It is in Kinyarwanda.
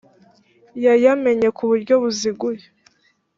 yayamenye ku buryo buziguye